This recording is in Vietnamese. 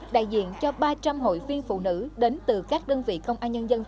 đại diện cho ba trăm linh hội viên phụ nữ đến từ các đơn vị công an nhân dân